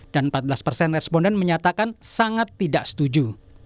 dan empat belas responden menyatakan sangat tidak setuju